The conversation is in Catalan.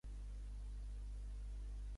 Ja des de l'antiguitat es creia així.